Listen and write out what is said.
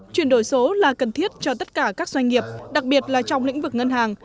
chuyển đổi số là cần thiết cho tất cả các doanh nghiệp đặc biệt là trong lĩnh vực ngân hàng